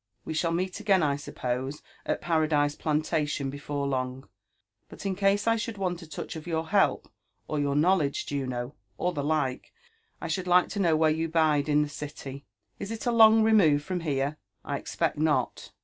We ^all meet again, I suppose, at Paradise Plarrtation before long ; htii in case I should want a loach of your help, or your knowledge, lono, or (he like, I should like to know where you bide in (he eit j< Is it a long remove from here t— I expect not.''